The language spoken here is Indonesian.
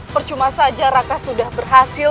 percuma saja raka sudah berhasil